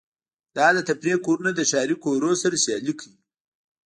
دا د تفریح کورونه د ښاري کورونو سره سیالي کوي